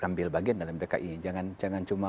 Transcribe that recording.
ambil bagian dalam dki jangan cuma